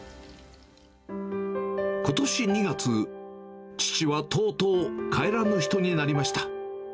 ことし２月、父はとうとう帰らぬ人になりました。